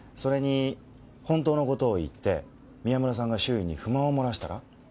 本当のことを言って宮村さんが周囲に不満を漏らしたら？